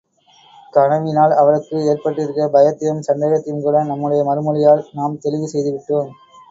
கனவினால் அவளுக்கு ஏற்பட்டிருக்கிற பயத்தையும் சந்தேகத்தையும்கூட நம்முடைய மறுமொழியால் நாம் தெளிவு செய்துவிட்டோம்.